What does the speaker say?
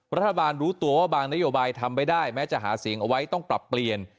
รัฐบาลรู้ตัวว่าบางนโยบายทำไม่ได้แม้จะหาเสียงเอาไว้ต้องปรับเปลี่ยน